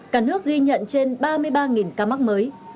cả nước ghi nhận trên ba mươi ba ca mắc mới